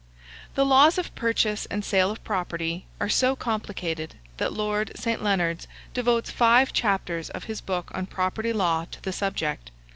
The laws of purchase and sale of property are so complicated that Lord St. Leonards devotes five chapters of his book on Property Law to the subject.